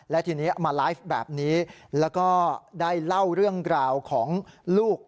และทีนี้เอามาไลฟ์แบบนี้แล้วก็ได้เล่าเรื่องราวของลูก